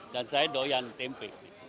dan saya doyan tempe